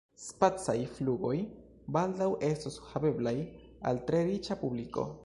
Spacaj flugoj baldaŭ estos haveblaj al tre riĉa publiko.